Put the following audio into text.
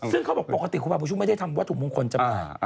ซึ่งเขาบอกปกติครูบาบุญชุมไม่ได้ทำวัตถุมงคลจำหน่าย